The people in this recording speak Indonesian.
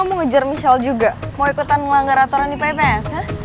lo mau ngejar michelle juga mau ikutan ngelanggar aturan ips